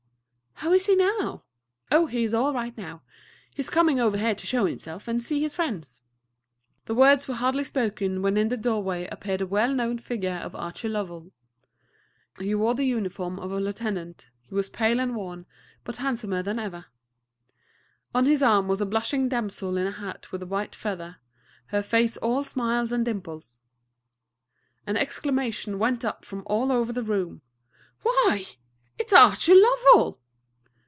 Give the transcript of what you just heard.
"How is he now?" "Oh, he's all right now. He's coming over here to show himself, and see his friends." The words were hardly spoken when in the doorway appeared the well known figure of Archie Lovell. He wore the uniform of a lieutenant, he was pale and worn, but handsomer than ever. On his arm was a blushing damsel in a hat with a white feather, her face all smiles and dimples. An exclamation went up from all over the room. "Why, it's Archie Lovell!"